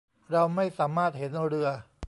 เราไม่สามารถเห็นเรือ